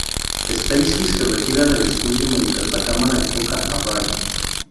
Stacy se retira del estudio mientras la cámara enfoca a Barb.